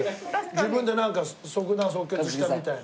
自分でなんか即断即決したみたいな。